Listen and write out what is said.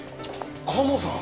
カモさん！